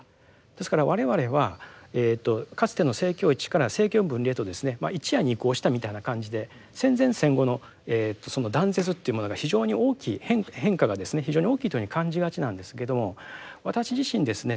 ですから我々はかつての政教一致から政教分離へとですね一夜に移行したみたいな感じで戦前戦後の断絶っていうものが非常に大きい変化がですね非常に大きいというふうに感じがちなんですけども私自身ですね